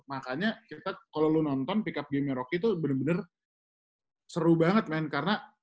makanya kita kalau lo nonton pick up game nya rocky tuh bener bener seru banget men karena